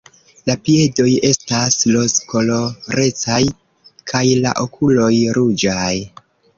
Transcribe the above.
La piedoj estas rozkolorecaj kaj la okuloj ruĝaj.